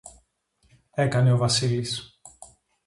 έκανε ο Βασίλης